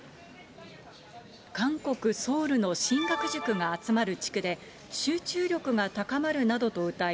韓国・ソウルの進学塾が集まる地区で、集中力が高まるなどとうたい、